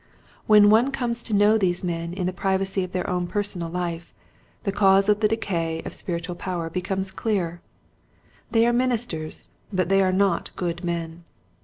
When one comes to know these men in the privacy of their own personal life the cause of the decay of spiritual power becomes clear. They are ministers but they are not good men.